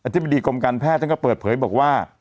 ธิบดีกรมการแพทย์ท่านก็เปิดเผยบอกว่า